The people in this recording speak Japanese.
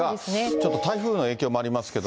ちょっと台風の影響もありますけど。